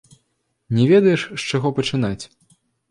Не ведаеш, з чаго пачынаць.